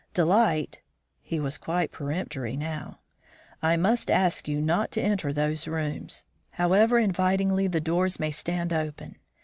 "Delight " he was quite peremptory now "I must ask you not to enter those rooms, however invitingly the doors may stand open.